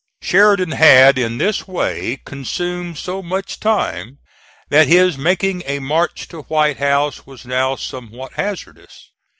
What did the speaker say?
Sheridan had in this way consumed so much time that his making a march to White House was now somewhat hazardous.